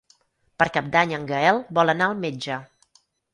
Per Cap d'Any en Gaël vol anar al metge.